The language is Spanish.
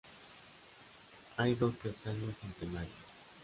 Hay dos castaños centenarios.